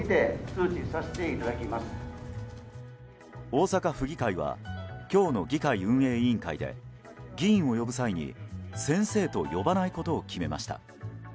大阪府議会は今日の議会運営委員会で議員を呼ぶ際に「先生」と呼ばないことを決めました。